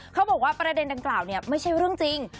เขาบอกว่าประเด็นดังกล่าวเนี่ยไม่ใช่เรื่องจริง